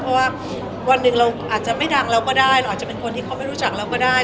เพราะว่าวันหนึ่งเราอาจจะไม่ดังเราก็ได้เราอาจจะเป็นคนที่เขาไม่รู้จักเราก็ได้